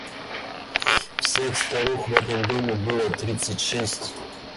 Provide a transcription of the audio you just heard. Всех старух в этом доме было тридцать шесть.